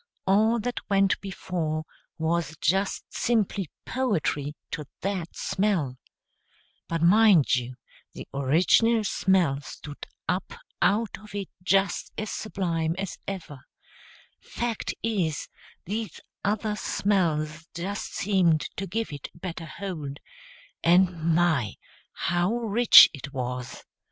All that went before was just simply poetry to that smell, but mind you, the original smell stood up out of it just as sublime as ever, fact is, these other smells just seemed to give it a better hold; and my, how rich it was!